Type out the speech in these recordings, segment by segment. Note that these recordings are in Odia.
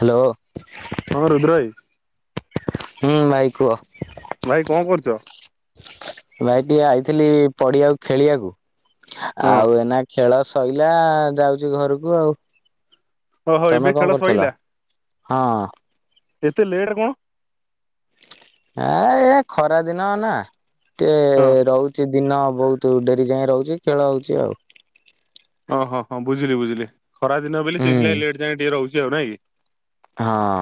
ହାଲୋ। ହଁ ରୁଦ୍ରୟ। ହଁ ଭାଇ କୁହ। ଭାଇ କଣ କରୁଛ? ଭାଇ ଟିକେ ଆଇଥିଲି ପଡିଆକୁ ଖେଳିବାକୁ। ହଁ ଆଉ ଏନା ଖେଳ ସ ଶଇଲା ଯାଉଛି ଘରକୁ ଆଉ। ଓହୋ ତମେ ଏବେ କଣ ଖେଳ କରୁଥିଲ? ସଇଲା। ହଁ ଏତେ ଲେଟେ କଣ ଏ ଏ ଖରା ଦିନ ନା ହଁ ଟିକେ ରହୁ ଛି ଦିନ ବହୁତ ଡେରି ଯାଏଁ ରହୁଛି। ଖେଳ ହଉଛି ଆଉ। ଅ ହ ହଁ ବୁଝିଲି ବୁଝିଲି। ଖରା ଦିନ ବୋଲି ସେଇଥି ହୁଁ ଲାଗି ଲେଟ୍ ଯାଏଁ ଟିକେ ରହୁଛି ଆଉ ନାଇଁ କି? ହଁ।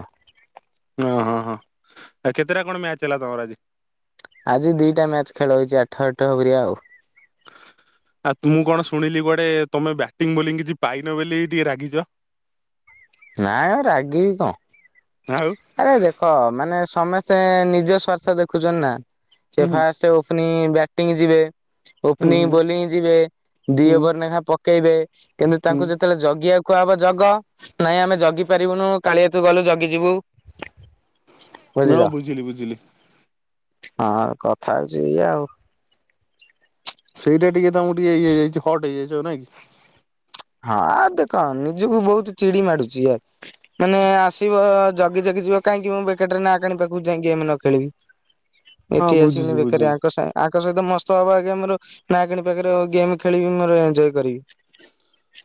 ଅଁ ହଁ ହଁ ଆ କେତେରା ଖଣ୍ଡେ ମ୍ୟାଚେ ହେଲା ତମର ଆଜି। ଆଜି ଦିଟା ମ୍ୟାଚ୍ ଖେଳ ହେଇଚି। ଆଠ ଆଠ ପରିଆ ଆଉ। [inaudible] ଆତ୍ ମୁଁ କଣ ଶୁଣିଲି କୁଆଡେ ତମେ ବ୍ୟାଟିଂ ବୋଲିଂ କିଛି ପାଇନ ବୋଲି ଏଟି ରାଗିଚ। [inaudible] ନାଏ ରାଗିବି କଁ। ଆଉ। ଆରେ ଦେଖ ମାନେ ସମେସ୍ତେ ନିଜ ସ୍ଵାର୍ଥ ଦେଖୁଛନ୍ତି ନା। ହୁଁ ଚେ ଫାଷ୍ଟ୍ ଉପ୍ନି ବ୍ୟାଟିଙ୍ଗ୍ ଯିବେ। ହୁଁ ଓପ୍ନିଙ୍ଗ୍ ହୁଁ ବୋଲିଂ ଯିବେ। ଦି ହୁଁ ଓଭର୍ ନେଖାଁ ପକେଇବେ। କିନ୍ତୁ ହୁଁ। ତାଙ୍କୁ ଯେତେବେଳେ ଜଗିଆକୁ କୁଆହବ ଜଗ। ନାଇଁ ଆମେ ଜଗି ପାରିବୁନୁ। କାଳିଆ ତୁ ଗଲୁ ଜଗିଯିବୁ। ନୁଅଁ ବୁଜିଲି ବୁଜିଲି। ହାଁ କଥା ହେଉଛି ଇଆଉ। ସେଇଟା ଟିକେ ତମର ଟିକେ ଇଯାଇଛି। ହଟ ହେଇଯାଇଛ ନାଇ କି। ହଁ ଆଉ ଦେଖ ନିଜକୁ ବହୁତ ଚିଡି ମାଡୁଛି। ଆୟ ମାନେ ଆସିବ। ଜଗି ଜଗି ଯିବ କାଇଁକି ମୁଁ ବେକାର ଟାରେ ନା କାଣିି ବାଖକୁ ଯାଇକି ଆମେ ନ ଖେଳିବି। ହଁ ଏଠି ଆସିକିନି ବୁଝୁଛି ବୁଝୁଛି ବେକାରିଆ ଆଙ୍କ ସାଏଁ ଆଙ୍କ ସହିତ ମସ୍ତ ହବ ଆଜ୍ଞା ମୋର ନାଗିଣୀ ପାଖରେ ଗେମ୍ ଖେଳିବି ମୋର ଏନଜୟେ କରିବି।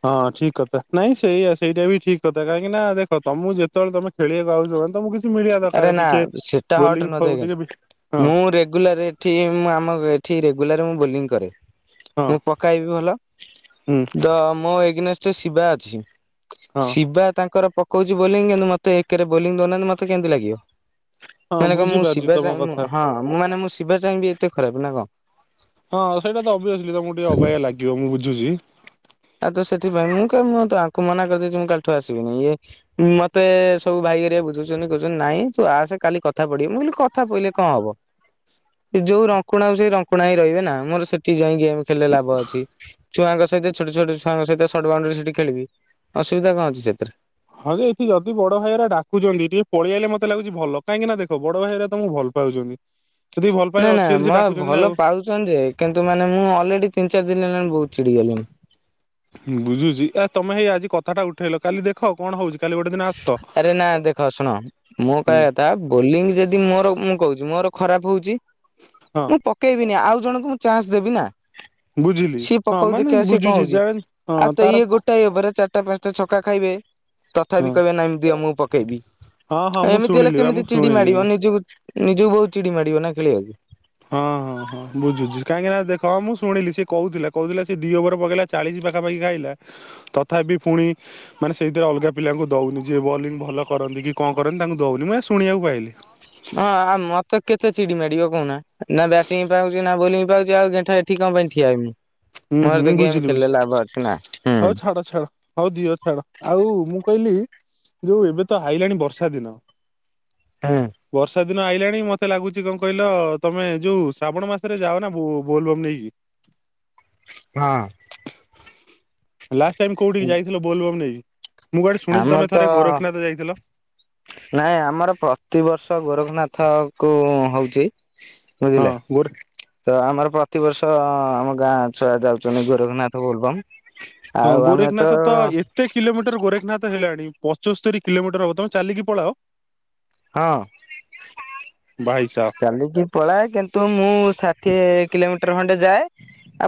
ହଁ ଠିକ୍ କତା। ନାଇଁ ସେଇଆ ସେଇଟା ବି ଠିକ୍ କଥା। କାହିଁକି ନା ଦେଖ ତମୁ ଯେତେବେଳେ ତମେ ଖେଳିଆକୁ ଆଉଛ। ମାନେ ତମଉ କିଛ୍ ଆରେ ନା ସେଟା ହଟ୍ ନୁହଁ ହଉ ଦେଖେ। ଟିକେ ବି ହଁ ମୁଁ ରେଗୁଲାରି ଠି ମୁଁ ଆମ ଏଠି ରେଗୁଲାର୍ ମୁଁ ବୁଲିଂ କରେ। ହଁ ମୁଁ ପକାଇବି ଭଲ। ହୁଁ ଦ ମୋ ଏଗ୍ନେଷ୍ଟ୍ ଏ ଶିବା ଅଛି। ହଁ ଶିବା ତାଙ୍କର ପକଉଚି ବୋଲିଂ। କିନ୍ତୁ ମତେ ଏକ୍ ରେ ବୋଲିଂ ଦଉନାଆନ୍ତି ମତେ କେମ୍ ନ୍ତି ଲାଗିଅ। ହଁ ମାନେ କନ୍ ମୁଁ ବୁଝିପାରୁଛି ଶିବା ତମ ସାଙ୍ଗ୍ ମୁଁ କଥା ହଁ ମୁଁ ମାନେ ମୁଁ ଶିବା ଚାଁଙ୍ଗ୍ ବି ଏତେ ଖରାପ ନା କଣ୍। ହଁ ସେଇଟା ତ ଅବିଏସ୍ଲି ତମଉ ଟିକେ ଅବାଗିୟା ଲାଗିବ ମୁଁ ବୁଝୁଚି। ଆ ତ ସେଥିପାଇଁ ମୁଁ କେ ମୁଁ ତ ଆଙ୍କୁ ମନା କରଦେଇଛି ମୁଁ କାଲିଠୁ ଆସିବିନି। ଇଏ ଉଁ ମତେ ସବୁ ଭାଇଏରିଆ ବୁଝୁଛନ୍ତି। କଉଛନ୍ତି ନାଇଁ ତୁ ଆସେ କାଲି କଥା ପଡିବ। ମୁଁ କଇଲି କଥା ପଇଲେ କଣ ହବ? [inaudible] ଇଜ୍ ଯୋଉ ରଙ୍କୁଣା ଉଚି ରଙ୍କୁଣା ଇଁ ରଇବେ ନା। ମୋର ସେଠି ଯାଇ ଗେଁମ୍ ଖେଳିଲେ ଲାଭ ଅଛି। ଛୁଆଙ୍କ ସଇତ ଛୋଟ ଛୋଟ ଛୁଆଙ୍କ ସଇତ ସର୍ଟ ବାଉଣଣ୍ଡିରି ସେଠି ଖେଳିବି ଅସୁବିଧା କଁ ଅଛି ସେଥିରେ। ହଁ କି ଏଠି ଯଦି ବଡ ଭାଇଗରା ଡାକୁଛନ୍ତି ଟିକେ ପଳେଇ ଆଇଲେ ମତେ ଲାଗୁଚି ଭଲ। କାଇଁକିନା ଦେଖ ବଡ ଭାଇଗରା ତମୁ ଭଲ୍ ପାଉଛନ୍ତି। ସେତିକି ଭଲ ପାଇବା ଅଛି ବେଲି ହେ ସେ ଡାକୁଚନ୍ତି ନା ଆଉ। ଚନ୍ ଯେ କିନ୍ତୁ ମାନେ ମୁଁ ଅଲେଡି ତିନ୍ ଚାର୍ ଦିନ୍ ହେଲାଣି ବହୁତ୍ ଚିଡିଗଲିଣି। ବୁଝୁଚି ଆ ତମେ ହେଇ ଆଜି କଥାଟା ଉଠେଇଲ। କାଲି ଦେଖ କଣ ହଉଚି? କାଲି ଗୋଟେ ଦିନ୍ ଆରେ ନା ଦେଖ ଶୁଣ ମୁଁ ହୁଁ କଇଆ କଥା। ବୋଲିଂ ଯଦି ମୋର ମୁଁ କଉଚି ମୋର ଖରାପ୍ ହଉଚି। ହଁ। ମୁଁ ପକେଇବିନି। ଆଉ ଜଣକୁ ମୁଁ ଚାଁଶ୍ ଦେବି ନା। ବୁଝିଲି ସିଏ ହଁ ପକଉ ମାନେ ଦେଖିଆ ସିଏ କଣ ବୁଝୁଛି ହଉଚି ଯା ଆ ହଁ ତ ତାର ଇଏ ଗୋଟାଏ ଓଭରରେ ଚାର ଟା ପାଞ୍ଚଟା ଛକା ଖାଇବେ ହଁ ତଥାପି କହିବେ ନାଇ ମ ଦିଅ ମୁଁ ପକେଇବି। ହଁ ହଁ ମୁଁ ଏମିତି ହେଲେ ଶୁଣିଲି ବା ମୁଁ କେମିତି ଚିଡ଼ି ଶୁଣିଲି ମାଡ଼ିବ ନିଜକୁ ନିଜକୁ ବହୁ ଚିଡ଼ି ମାଡ଼ିବ ନା ଖେଳିବାକୁ। ହଁ ହଁ ହଁ ବୁଝୁଚି କାହିଁକି ନା ଦେଖ ମୁଁ ଶୁଣିଲି ସେ କହୁଥିଲା କହୁଥିଲା ସେ ଦି ଓଭର ପକେଇଲା ଚାଳିଶ୍ ପାଖାପାଖି ଖାଇଲା ତଥାପି ଫୁଣି। ମାନେ ସେଇଥିପାଇଁ ଅଲଗା ପିଲାଙ୍କୁ ଦଉନି ଯିଏ ବଲିଙ୍ଗ ଭଲ କରନ୍ତି କି କଣ କରନ୍ତି ତାଙ୍କୁ ଦଉନି ମୁଁ ଏ ଶୁଣିଆକୁ ପାଇଲି। ନା ଆ ଆ ମତେ କେତେ ଚିଡ଼ି ମାଡ଼ିବ କହୁନା? ନା ବ୍ୟାଟିଙ୍ଗ ପାଉଚି ନା ବୋଲିଙ୍ଗ ପାଉଚି ଆଉ ଗେଣ୍ଠା ଏ ଏଠି କଣ ପାଇଁ ଠିଆ ହେମି? ହୁଁ ମୋର ହୁଁ ତ ଗେମ ଖେଳିଲେ ଲାଭ ଅଛି ନା ହୁଁ। ଛାଡ଼ ଛାଡ଼। ହଉ ଦିଅ ଛାଡ଼ ଆଉ ମୁଁ କହିଲି ଯୋଉ ଏବେ ତ ଆଇଲାଣି ବର୍ଷା ଦିନ। ହୁଁ ବର୍ଷା ଦିନ ଆଇଲାଣି ମତେ ଲାଗୁଛି କଣ କହିଲ ତମେ ଯୋଉ ଶ୍ରାବଣ ମାସରେ ଯାଅ ନା ବୋ-ବୋଲବମ୍ ନେଇକି? ହଁ। ଲାଷ୍ଟ ଟାଇମ କୋଉଠିକି ଯାଇଥିଲ ବୋଲବମ୍ ନେଇକି? ମୁଁ କୁଆଡ଼େ ଶୁଣିଛି ଆମର ତମେ ତ ଥରେ ଗୋରଖନାଥ ଯାଇଥିଲ? ନାଇଁ ଆମର ପ୍ରତିବର୍ଷ ଗୋରଖନାଥକୁ ହଉଛି। ହଁ ବୁଝିଲେ ଗୋରେ ତ ଆମର ପ୍ରତିବର୍ଷ ଆମ ଗାଁ। ଛୁଆ ଯାଉଛନ୍ତି ଗୋରଖନାଥ ବୋଲବମ୍ ଆଉ ଆମେ ତ। କେତେ କିଲୋମିଟର ଗୋରେଖନାଥ ହେଲାଣି ପଚସ୍ତରି କିଲୋମିଟର ହବ ତମେ ଚାଲିକି ପଳାଅ? ହଁ। ଭାଇସାବ ଚାଲିକି ପଳାଏ କିନ୍ତୁ ମୁଁ ଷାଠିଏ କିଲେମିଟର ଖଣ୍ଡେ ଯାଏ।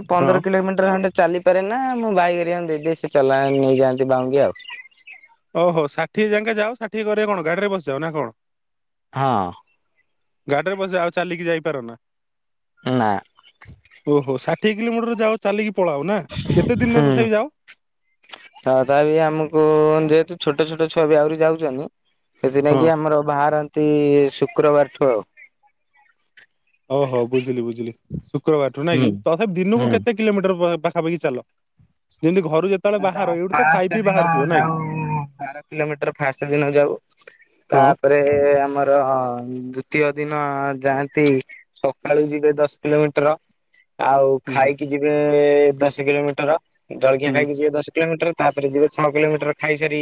ଆଉ ହଁ। ପନ୍ଦର କିଲୋମିଟର ଖଣ୍ଡେ ଚାଲିପାରେ ନା ମୁଁ ଭାଇ ଘରିଆ ଙ୍କୁ ଦେଇ ଦିଏ ସେ ଚଲାଏ ନେଇଯାଆନ୍ତି ବାଉଁରି ଆଉ। ଓହୋ ଷାଠିଏ ଯାକେଁ ଯାଅ ଷାଠିଏ କରେ କଣ ଗାଡିରେ ବସିଯାଅ ନା କଣ? ହଁ। ଗାଡ଼ିରେ ବସ ଯାଅ ଆଉ ଚାଲିକି ଯାଇପାର ନା? ନା। ଓହୋ ଷାଠିଏ କିଲୋମିଟର ଯାଅ ଚାଲିକି ପଳାଅ ନା କେତେ ଦିନରେ ତଥାପି ଯାଅ? ହଁ ତା ବିି ଆମକୁ ଯେହେତୁ ଛୋଟ ଛୋଟ ଛୁଆ ବି ଆହୁରି ଯାଉଛନି। ସେଥିନା ହଁ କି ଆମର ବାହାରନ୍ତି ଶୁକ୍ରବାର ଠୁ ଆଉ। ଓହୋ ବୁଝିଲି ବୁଝିଲି ଶୁକ୍ରବାର ଠୁ ନାଇଁ ହୁଁ କି ତଥାପି ଦିନକୁ ହୁଁ। କେତେ? କିଲୋମିଟର ପ-ପାଖାପାଖି ଚାଲ ଯେମିତି ଘରୁ ଯେ ଆଁ ତ ଫାର୍ଷ୍ଟ ଦିନ ଯାଉ ବାର କିଲୋମିଟର ଫାର୍ଷ୍ଟ ଦିନ ଯାଉ। ହଁ। ରେ ଆମର ଅଁ ଦ୍ଵିତୀୟ ଦିନ ଯାଆନ୍ତି। ସକାଳୁ ଯିବେ ଦଶ କିଲୋମିଟର। ଆଉ ହୁଁ ଖାଇକି ଯିବେ ଦଶ କିଲୋମିଟର ଉଁ ଜଳଖିଆ ହୁଁ ଖାଇକି ଯିବେ ଦଶ କିଲୋମିଟର। ତାପରେ ଯିବେ ଛଅ କିଲୋମିଟର ଖାଇସାରି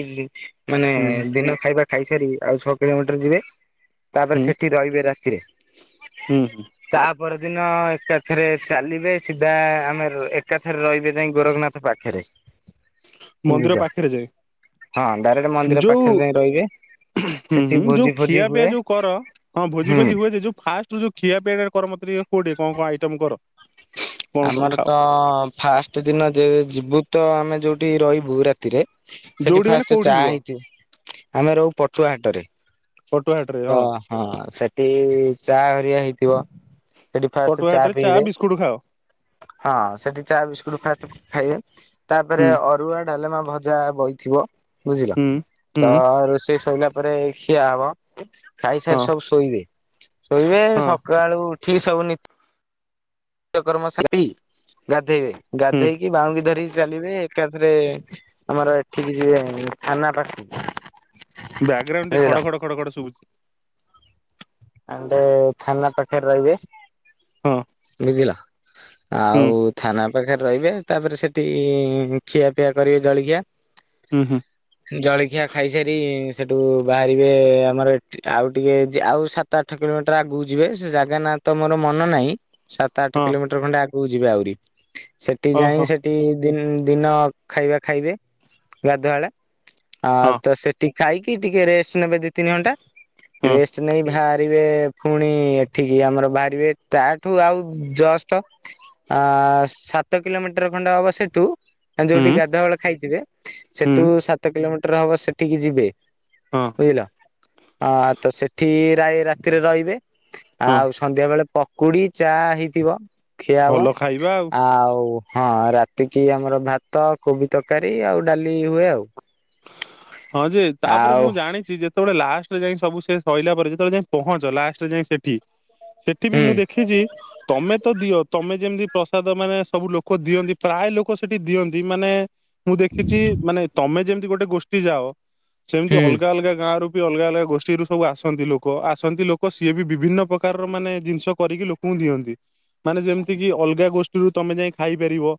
ମାନେ ହୁଁ। ଦିନ ଖାଇବା। ଖାଇସାରି ଆଉ ଛଅ କିଲୋମିଟର ଯିବେ ତାପରେ ହୁଁ ସେଠି ରହିବେ ରାତିରେ। ହୁଁ ହୁଁ ତାପର ଦିନ ଏକାଥରେ ଚାଲିବେ ସିଧା ଆମେ ର ଏକାଥରର ରହିବେ ଯାଇଁ ଗୋରଖନା ପାଖେରେ। ମନ୍ଦିର ପାଖେରେ ଯାଏ। ହଁ ଡାଇରେକ୍ଟ ମନ୍ଦିର ଯୋଉ ପାଖେରେ ଯାଇଁ ରହିବେ। ହୁଁ ସେଠି ହୁଁ ଭୋଜି ଯୋଉ ଫୋଜି ଖିଆ ପିଆ ହୁଏ ଯୋଉ କର ହଁ ଭୋଜି ହୁଁ। ଫୋଜି ହୁଏ ସେ ଯୋଉ ଫା ତୁ ଯୋଉ ଖିଆପିଆ ଟା କର ମତେ ଟିକେ କୋଉଠି କଣ କଣ ଆଇଟମ କର? କଣ କଣ ଆମର ଖାଅ ତ ଫାର୍ଷ୍ଟ ଦିନ ଯେ ଯିବୁ ତ ଆମେ ଯୋଉଠି ରହିବୁ ରାତିରେ। ସେଠି ଯୋଉଠି ମାନେ ଫାର୍ଷ୍ଟେ କୋଉଠି ଚା ରୁହ ହେଇଛି ଆମେ ରହୁ ପଟୁଆ ହାଟରେ। ପାଟୁଆ ହାଟରେ ତ ହଁ। ହଁ ସେଠି ଚା ହରିକା ହେଇ ପଟୁଆ ହାଟରେ ଚା, ବିସ୍କୁଟୁ ଖାଅ? ହଁ ସେଠି ଚା, ବିସ୍କୁଟ ଫାଷ୍ଟ ଖାଇବେ ତାପରେ ହୁଁ ଅରୁଆ, ଡ଼ାଲମା, ଭଜା ବଇଥିବ ବୁଝିଲ ହୁଁ ତ ହୁଁ ରୋଷେଇ ସୋଇଲା ତାପରେ ଖିଆ ହବ ହଁ ଖାଇସାରି ସବୁ ଶୋଇବେ, ଶୋଇବେ ହଁ ସ ସକାଳୁ ଉଠି ସବୁ ନତି ନିତ୍ୟ କର୍ମ ସାରି ଗାଧେଇବେ ହୁଁ ଗାଧେଇ ବାଉଙ୍ଗି ଧରିକି ଚାଲିବେ ଏକାଥରେ ଆମର ଏଠିକି ଯିବେ ଥାନା ପାଖକୁ। ବ୍ୟାଗ୍ରାରାଉଣ୍ଡ ଟିକେ ବୁଝିଲ ଖଡ଼ ଖଡ଼ ଖଡ଼ ଖଡ଼ ସବୁଛି। ଆଣ୍ଡ ଥାନା ପାଖରେ ରହିବେ। ହଁ। ବୁଝିଲ ହୁଁ ଆଉ ଥାନା ପାଖରେ ରହିବେ ତାପରେ ସେଠି ଖିଆପିଆ କରିବେ ଜଳଖିଆ। ହୁଁ। ଜଳଖିଆ ଖାଇସାରି ସେଠୁ ବାହାରିବେ ଆମର ଆଉ ଟିକେ ଆଉ ସାତ ଆଠ କିଲୋମିଟର ଆଗକୁ ଯିବେ ସେ ଜାଗା ନା ତ ମୋର ମନ ନାହିଁ। ସାତ ଆଠ ହଁ କିଲୋମିଟର ଖଣ୍ଡେ ଆଗକୁ ଯିବେ ଆହୁରି ସେଠି ଯାଇ ଓହୋ ସେ ଦି ଦିନ ଖାଇବା ଖାଇବେ ଗାଧୁଆଳ ଆ ହଁ ତ ସେଠି ଖାଇକି ଟିକେ ରେଷ୍ଟ ନେବେ ଦି ତିନି ଘଣ୍ଟା ହଁ ରେଷ୍ଟ ନେଇ ବାହାରିବେ ପୁଣି ଏଠିକି ଆମର ବାହାରିବେ ତା ତୁ ଆଉ ଜଷ୍ଟ ଆ ସାତ କିଲୋମିଟର ଖଣ୍ଡ ହବ ସେଠୁ ହୁଁ ଯୋଉଠି ଗାଧୁଆବେଳ ଖାଇଥିବେ ହୁଁ ହୁଁ ସେଠୁ ସାତ କିଲୋମିଟର ହବ ସେଠିକି ଯିବେ ହଁ ବୁଝିଲ ଆ ତ ସେଠି ରାଇ ରାତିରେ ରହିବେ ହଁ ଆଉ ସନ୍ଧ୍ୟା ବେଳେ ପକୁଡି ଚା ହେଇଥିବ ଖିଆ ହବ ଭଲ ଖାଇବା ଆଉ ହଁ ରାତିକି ଆମର ଭାତ କୋବି ତରକାରୀ ଆଉ ଡାଲି ହୁଏ ଆଉ। ହଁ ଯେ ତାପରେ ଆଉ ମୁଁ ଜାଣିଛି ଯେ ସେତେବେଳେ ଲାଷ୍ଟରେ ଯାଇ ସବୁ ସେ ସରିଲ ପରେ ଯେତେବେଳେ ଯାଇ ପହଞ୍ଚ ଲଷ୍ଟରେ ଯାଇଁ ସେଠି ସେଠି ବି ହୁଁ ମୁଁ ଦେଖିଛି। ତମେ ତ ଦିଅ ତମେ ଯେମିତି ପ୍ରସାଦ ମାନେ ସବୁ ଲୋକ ଦିଅନ୍ତି ପ୍ରାୟ ଲୋକ ସେଠି ଦିଅନ୍ତି ମାନେ ମୁଁ ଦେଖିଛି ମାନେ ତମେ ଯେମିତି ଗୋଟେ ଗୋଷ୍ଠୀ ଯାଅ ସେମିତି ହୁଁ ଅଲଗା ଅଲଗା ଗାଁ ରୁ ଅଲଗା ଅଲଗା ଗୋଷ୍ଠୀରୁ ସବୁ ଆସନ୍ତି ଲୋକ ଆସନ୍ତି ଲୋକ ସିଏ ବି ବିଭିନ୍ନ ପ୍ରକାରର ମାନେ ଜିନିଷ କରିକି ଲ ମୁଁ ଦିଅନ୍ତି ମାନେ ଯେମିତି କି ଅଲଗା ଗୋଷ୍ଠୀରୁ ତମେ ଯାଇ ଖାଇପାରିବ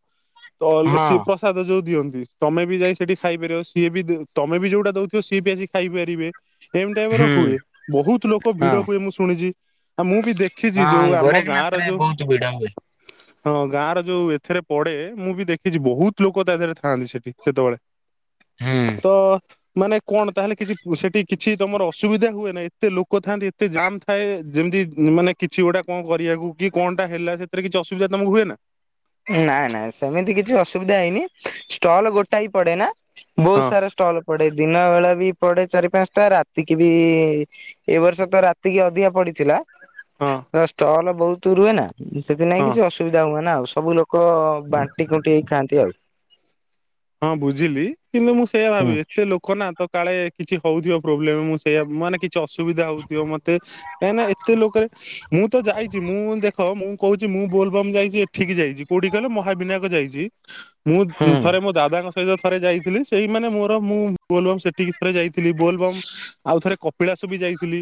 ତ ହଁ ସି ପ୍ରସାଦ ଯୋଉ ଦିଅନ୍ତି ତମେ ବି ଯାଇ ସେଠି ଖାଇପାରିବ। ସିଏ ବି ତମେ ବି ଯୋଉଟା ଦଉଥିବ ସିଏ ବି ଆସି ଖାଇପାରିବେ। ଏମି ଟାଇପି ର ହୁଁ ହୁଏ ବହୁତ ଲୋକ ହଁ ଭିଡ ହୁଏ ମୁଁ ଶୁଣିଛି। ଆଉ ମୁଁ ବି ଦେଖିଛି ହଁ ଯୋଉ ଆମ ଗାଁ ର ଗୋରେଖନାଥରେ ଯୋଉ ବହୁତ ଭିଡ ହୁଏ। ହଁ ଗାଁ ର ଯୋଉ ଏଥିରେ ପଡେ ମୁଁ ବି ଦେଖିଛି ବହୁତ ଲୋକ ତା ଏଥିରେ ଥାଆନ୍ତି ସେଠି ସେତେବେଳେ। ହୁଁ ତ। ମାନେ କଣ ତାହେଲେ କିଛି ସେଠି କିଛି ତମର ଅସୁବିଧା ହୁଏ ନାହି ଏତେ ଲୋକ ଥାନ୍ତି ଏତେ ଜାାମ ଏ ଯେମିତି ମାନେ କିଛି ଗୋଟା କଣ କରିବାକୁ କି କଣ ଟା ହେଲା ସେଥିରେ କିଛି ଅସୁବିଧା ତମକୁ ହୁଏ ନା ନାଇ ନାଇଁ ସେମିତି କିଛି ଅସୁବିଧା ହେଇନି ଷ୍ଟଲ ଗୋଟାଇ ପଡେ ନା। ବହୁତ ହଁ ସାରା ଷ୍ଟଲ ପଡେ ଦିନ ବେଳା ବି ପଡେ ଚାରି ପାଞ୍ଚଟା ରାତିକି ବି ଏ ବର୍ଷ ତ ରାତିକି ଅଧିକ ପଡିଥିଲା ହଁ ଷ୍ଟଲ ବହୁତ ରୁହେ ନା ସେଥିନାଇଁ ହଁ। କିଛି ଅସୁବିଧା ହୁଏ ନା ଆଉ ସବୁ ଲୋକ ଲୋକ ବାଣ୍ଟି କୁଣ୍ଟି ହେଇ ଖାଆନ୍ତି ଆଉ। ହଁ ବୁଝିଲି କିନ୍ତୁ ମୁଁ ସେଇୟଆ ହୁଁ ଭାବିବି ଏତେ ଲୋକ ଲୋକ ନା ତ କାଳେ କିଛି ହଉଥିବ ପ୍ରୋବ୍ଲେମ ମୁଁ ସେଇଆ ମ ମାନେ କିଛି ଅସୁବିଧା ହଉଥିବ ମତେ କାଇଁ ନା ଏତେ ଲୋକରେ ମୁଁ ତ ଯାଇଛି ମୁଁ ଦେଖ ମୁଁ କହୁଛି ମୁଁ ବୋଲବମ ଯାଇଛି। ଠିକ ଯାଇଛି କୋଉଠି କହିଲ ମହାବିନାୟକ ଯାଇଛି ମୁଁ ହୁଁ ଥରେ ମେ ଦାଙ୍କ ସହିତ ଥରେ ଯାଇଥିଲି ସେଇମାନୋନେ ମୋର ମୁଁ ବୋଲବମ୍ ସେଠି ଥରେ ଯାଇଥିଲି ବୋଲବମ୍ ଆଉ ଥରେ ପିଳାସ ବି ଯାଇଥିଲି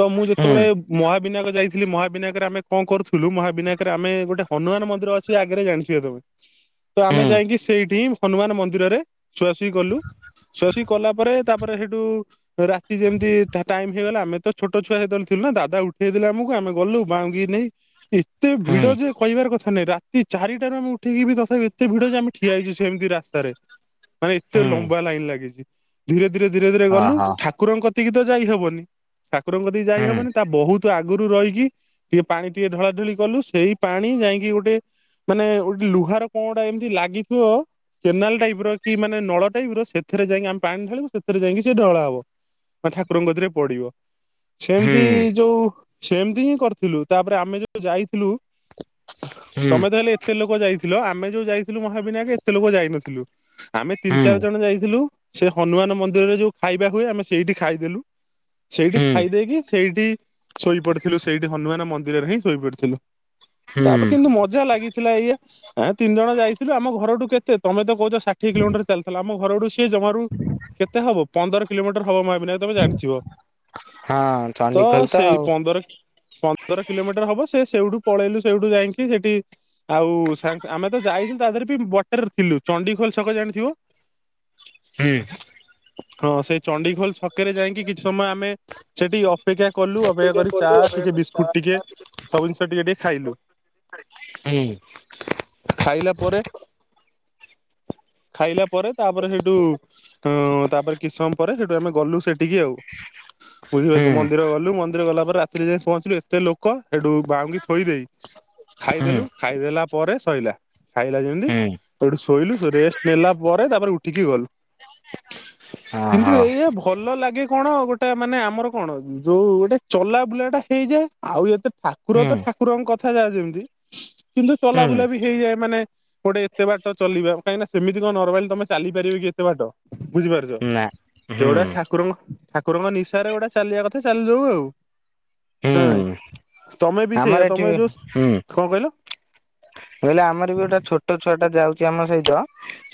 ତ ମୁଁ ହୁଁ ଯେତେବେଳେ ମହାବିନାୟକ ଯାଇଥିଲି ମହାବିନାୟକରେ ଆମେ କଣ କରୁଥିଲୁ ମହାବିନାୟକରେ ଆମେ ଗୋଟେ ହନୁମାନ ମନ୍ଦିର ଅଛି ଆଗରେ ଜାଣିଥିବେ ତମେ ତ ଆମେ ହୁଁ ଯାଇକି ସେଇଠି ହିଁ ହନୁମାନ ମନ୍ଦିରରେ ସୁଆସୁଇ କଲୁ। ସୁଅ ଶୁଇ କଲା ପରେ ତାପରେ ହେଠୁ ରାତି ଯେମିତି ଟାଇମ ହେଇଗଲା ଆମେ ତ ଛୋଟ ଛୁଆ ସେତେବେଳେଥିଲୁ ନା ଦାଦ ଉଠେଇ ଦେଲେ ଆମକୁ ଆମେ ଗଲୁ [unintelligible] [inaudible] ଏତେ ଭିଡ଼ ହୁଁ ଯେ କହିବାର କଥା ନାଇଁ ରାତି ଚାରିଟାରୁ ଆମେ ଉଠିକି ବି ତଥାପି ଏତେ ଭିଡ଼ ଯେ ଆମେ ଠିଆ ହେଇଛ ସେମତି ରାସ୍ତାରେ ମାନେ ଏତେ ହୁଁ ଲମ୍ବା ଲାଇନ ଲାଗିଛି ଧୀରେ ଧୀରେ ଧୀରେ ଧୀରେ ଗଲୁ ଓହୋ ଠା କୁରଙ୍କ କତିକି ତ ଯାଇ ହବନି ଠାକୁରଙ୍କ କତିକି ଯାଇ ହୁଁ ହବନି ତା ବହୁତ ଆଗ ଆଗରୁ ରହିକି ଟିକେ ପାଣି ଟିକେ ଢଳାଢଳି କଲୁ ସେଇ ପାଣି ଯାଇକି ଗୋଟେ ମାନେ ଗୋଟେ ଲୁହାର କଣ ଗୋଟା ଏମିତି ଲାଗିଥିବ। କେନାଲ ଟାଇପ ର କି ମାନେ ନଳ ଟାଇପ ର ସେଥିରେ ଯାଇକି ଆମେ ପାଣି ଢାଳୁ ସେଥିରେ ଯାଇକି ସେ ଢଳା ହବ। ବା ଠାକୁରଙ୍କକତିରେ ପଡ଼ିବ ହୁଁ ସେମିତି ଯୋଉ ସେମିତି ହିଁ କରିଥିଲୁ ତାପରେ ଆମେ ଯୋଉ ଯାଇଥିଲୁ। ହୁଁ ତମେ ତା ହେଲେ ଏତେ ଲୋକ ଯାଇଥିଲ ଆମେ ଯୋଉ ଯାଇଥିଲୁ ମହାବିନାୟକେ ଏତେ ଲୋକ ଯାଇନଥିଲୁ। ଆମେ ତିନି ହୁଁ ଚାରି ଜଣ ଯାଇଥିଲୁ ସେ ହନୁମାନ ମନ୍ଦିରରେ ଯୋଉ ଖାଇବା ହୁଏ ଆମେ ସେଇଠି ଖାଇଦେଲୁ। ସେଇଠି ହୁଁ ଖାଇ ଦେଇକି ସେଇଠି ଶୋଇପଡ଼ିଥିଲୁ ସେଇଠି ହନୁମାନ ମନ୍ଦିରରେ ହିଁ ଶୋଇପଡିଥିଲୁ। ହୁଁ ତାପରେ କିନ୍ତୁ ମଜା ଲାଗିଥିଲା ଏଇଆ ଆଁ ତିନି ଜଣ ଯାଇଥିଲୁ ଆମ ଘରଠୁ କେତେ ତମେ ତ କହୁଛ ଷାଠିଏ କିଲୋମିଟର ଚାଲିଥିଲ ଆମ ଘରଠୁ ସିଏ ଜମାରୁ କେତେ ହବ ପନ୍ଦର କିଲୋମିଟର ହବ ମହାବିନାୟକ ତମେ ଜାଣିଥିବ। ହଁ ତ ଚଣ୍ଡିଖୋଲ ସେଇ ଆଉ। ପନ୍ଦର ପନ୍ଦର କିଲୋମିଟର ହବ ସେ ସେଇଠୁ ପଳେଇଲୁ ସେଇଠୁ ଯାଇକି ସେଠି ଆଉ ସାଙ୍ଗ ଆମେ ତ ଯାଇଥିଲୁ ତା ଦେହରେ ବି ବ ଟର୍ ଥିଲୁ ଚଣ୍ଡି ଖୋଲ ଛକ ଜାଣିଥିବ। ହୁଁ। ହଁ ସେଇ ଚଣ୍ଡିଖୋଲ ଛକରେ ଯାଇକି କିଛି ସମୟ ଆମେ ସେଠି ଅପେକ୍ଷା କଲୁ। ହୁଁ ଅପେକ୍ଷାକରି ହୁଁ ଚା ଟିକେ ବିସ୍କୁଟ ଟିକେ ସବୁ ଜିନିଷ ଟିକେ ଟିକେ ଖାଇଲୁ। ହୁଁ। ଖାଇଲା ପରେ ଖାଇଲା ପରେ ତାପରେ ସେଇଠୁ ଅ ତାପରେ କିସ ସମୟ ପରେ ସେଠୁ ଆମେ ଗଲୁ ସେଠିକି ଆଉ। ବୁଝିପାରୁଛ ହୁଁ ମନ୍ଦିର ଗଲୁ ମନ୍ଦିର ଗଲା ପରେ ରାତିରେ ଯାଇ ପହଞ୍ଚିଲୁ ଏତେ ଲୋକ ସେଠୁ ବାହୁଁଙ୍ଗି ଥୋଇ ଦେଇ। ଖାଇଦେଲୁ ଖାଇଦେଲା ପରେ ସଇଲା ଖାଇଲା ଯେମିତି ହୁଁ କୋଉଠି ଶୋଇଲୁ ରେଷ୍ଟ ନେଲା ପରେ ତାପରେ ଉଠିକି ଗଲୁ। କିନ୍ତୁ ଓହୋ ଏଇଆ ଭଲ ଲାଗେ କଣ ଗୋଟେ ମାନେ ଆମର କଣ ଯୋଉ ଗୋଟେ ଚଲା ବୁଲା ଟା ହେଇଯାଏ। ଆଉ ଏତେ ଠାକୁର ହୁଁ ତ ଠାକୁରଙ୍କ କଥା ଯାଏ ଯେମିତି। କିନ୍ତୁ ହୁଁ ଚଲାବୁଲା ବି ହେଇଯାଏ ମାନେ ଗୋଟେ ଏତେ ବାଟ ଚଲିବା କାହିଁକି ନା ସେମିତି କଣ ନର୍ମାଲି ତମେ ଚାଲିପାରିବେ କି ଏତେ ବାଟ ବୁଝିପାରୁଛ। ନା ହୁଁ ସେଗୁଡ଼ା ଠାକୁରଙ୍କ ଠାକୁରଙ୍କ ନିଶାରେ ଗୋଟା ଚାଲିବା କଥା ଚାଲିଯାଉ ଆଉ। ହୁଁ ତମେ ବି ଆମର ସେଇଆ ଏଠି ତମେ ଯୋଉ କଣ କହିଲ? ମୁଁ କହିଲି ଆମର ବି ଗୋଟେ ଛୋଟ ଛୁଆ ଟା ଯାଉଛି ଆମ ସହିତ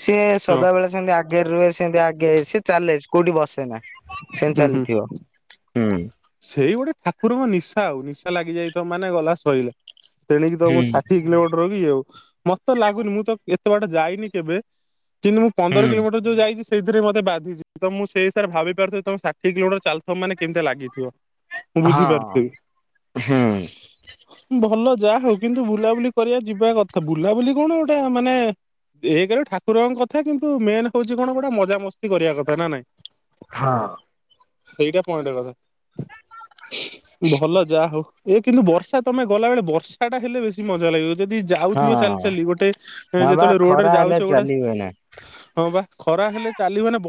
ସିଏ ହଁ ସଦାବେଳେ ସେମିତି ଆଗରେ ରୁହେ ସେମିତି ଆଗେ ସେ ଚାଲି କୋଉଠି ବସେନା ସେମତି ହୁଁ ହୁଁ ଚାଲିଥିବ। ହୁଁ। ସେଇ ଗୋଟେ ଠାକୁରଙ୍କ ନିଶା ଆଉ ନିଶା ଲାଗିଯାଇ ଥବ ମାନେ ଗଲା ଶଇଲ। ତେଣିକି ହୁଁ ତମକୁ ଷାଠିଏ କିଲୋମିଟର ର କି ଆଉ ମତେ ଲାଗୁନି ମୁଁ ତ ଏତେ ବାଟ ଯାଇନି କେବେ କିନ୍ତୁ ମୁଁ ହଁ ପନ୍ଦର କିଲୋମିଟର ଯଉ ଯାଇଛି ସେଇଥିରେ ମତେ ବାଧିଛି ତ ମୁଁ ସେଇହିସାବରେ ଭାବି ପାରୁଥିବି ତମେ ଷାଠିଏ କିଲୋମିଟର ଚାଲୁଥିବ ମାନେ କେମତି ଲାଗି ଥିବ ମୁଁ ବୁଝିପାରୁଥିବି। ହୁଁ। ଭଲ ଯାହା ହଉ କିନ୍ତୁ ବୁଲାବୁଲି କରିବା ଯିବା କଥା ବୁଲାବୁଲି କଣ ଏଟା ମାନେ ଏକ ରେ ଠାକୁରଙ୍କ କଥା କିନ୍ତୁ ମେନ ହଉଛି କଣ ଗୋଟେ ମଜାମସ୍ତି କରିବା କଥା ନା ନାଇଁ। ହଁ। ସେଇଟା ପଏଣ୍ଟ କଥା। ଭଲ ଯାହା ହଉ। ଏ କିନ୍ତୁ ବର୍ଷା ତମେ ଗଲାବେଳେ ବର୍ଷା ଟା ହେଲେ ବେଶୀ କି ମଜା ଲାଗିବ। ଯଦି ଯାଉଥିବ ଚାଲି ହଁ ଚାଲି ଗୋଟେ ବା ଯେତେବେଳେ ଖରା ରୋଡରେ ହେଲେ ଯାଉଛ ଗୋଟେ ଚାଲି ହୁଏନା। ହଁ ବା ଖରା ହେଲେ ଚାଲିବ ମାନେ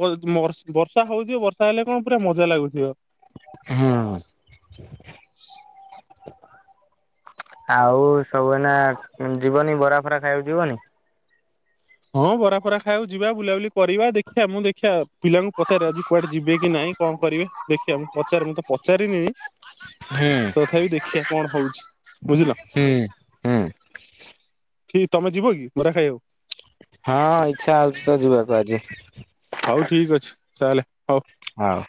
ବର୍ଷା ହଉଥିବ ବର୍ଷା ହେଲେ କଣ ପୁରା ମଜା ଲାଗୁଥିବ। ହଁ। [inaudible] ଆଉ ସବୁ ଏଇନା ଯିବନି ବରା ଫରା ଖାଇବାକୁ ଯିବନି। ହଁ ବରା ଫରା ଖାଇବାକୁ ଯିବା ବୁଲାବୁଲି କରିବା। ଦେଖିବା ମୁଁ ଦେଖିବା ପିଲାଙ୍କୁ ପଚାରେ ଆଜି କୁଆଡେ ଯିବେ କି ନାଇଁ। କଣ କରିବେ ଦେଖିବା ମୁଁ ପଚାରେ ମୁଁ ତ ପଚାରିନି। ହୁଁ ତଥାପି ଦେଖିବା କଣ ହଉଚି ବୁଝିଲ। ହୁଁ ହୁଁ ତମେ ଯିବ କି ବରା ଖାଇବାକୁ। ହଁ ଇଛା ହଉଚି ତ ଯିବାକୁ ଆଜି। ହଉ ଠିକ୍ ଅଛି। ଚାଲେ। ହଉ। ହଉ।